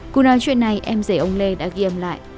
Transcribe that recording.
cụ nói chuyện này em dễ ông lê đã ghi âm lại